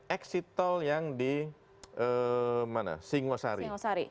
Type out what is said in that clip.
exit tol yang di singosari